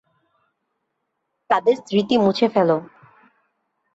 তাদের স্মৃতি মুছে ফেলো।